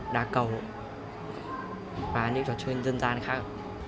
đá cầu và những trò chơi dân gian khác